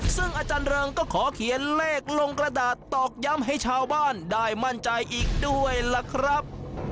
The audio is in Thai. ซึ่งอาจารย์เริงก็ขอเขียนเลขลงกระดาษตอกย้ำให้ชาวบ้านได้มั่นใจอีกด้วยล่ะครับ